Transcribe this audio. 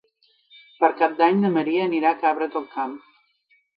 Per Cap d'Any na Maria anirà a Cabra del Camp.